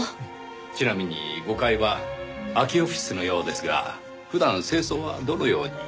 ちなみに５階は空きオフィスのようですが普段清掃はどのように？